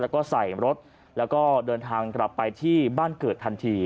แล้วก็ใส่รถแล้วก็เดินทางกลับไปที่บ้านเกิดทันที